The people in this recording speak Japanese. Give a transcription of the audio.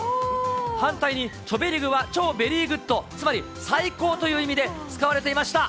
反対に、チョベリグは超ベリーグッド、つまり最高という意味で使われていました。